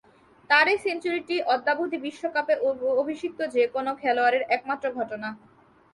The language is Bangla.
তার এ সেঞ্চুরিটি অদ্যাবধি বিশ্বকাপে অভিষিক্ত যে-কোন খেলোয়াড়ের একমাত্র ঘটনা।